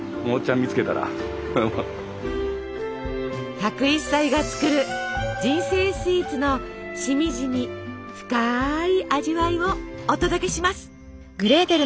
１０１歳が作る「人生スイーツ」のしみじみ深い味わいをお届けします。